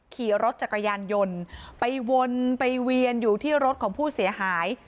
ขี่รถจักรยานยนต์ไปวนไปเวียนอยู่ที่รถของผู้เสียหาย